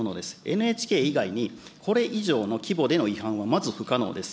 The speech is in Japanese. ＮＨＫ以外にこれ以上の規模での違反はまず不可能です。